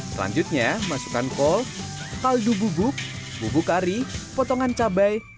selanjutnya masukkan kol kaldu bubuk bubuk kari potongan cabai